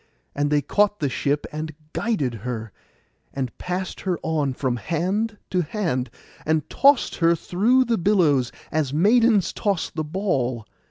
And they caught the ship, and guided her, and passed her on from hand to hand, and tossed her through the billows, as maidens toss the ball.